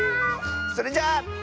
それじゃあ。